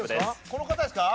この方ですか？